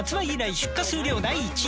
出荷数量第一位！